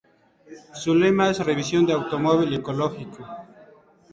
Su lema es "Revisión del automóvil ecológico".